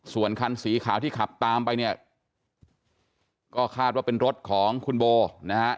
ส่วนคันสีขาวที่ขับตามไปเนี่ยก็คาดว่าเป็นรถของคุณโบนะฮะ